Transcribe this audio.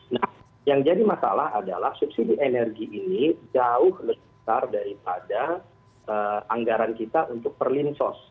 nah yang jadi masalah adalah subsidi energi ini jauh lebih besar daripada anggaran kita untuk perlinsos